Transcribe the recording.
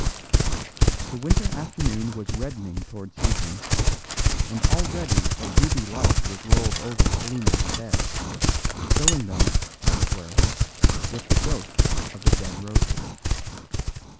The winter afternoon was reddening towards evening, and already a ruby light was rolled over the bloomless beds, filling them, as it were, with the ghosts of the dead roses.